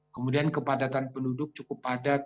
kemudian kepadatan penduduk cukup padat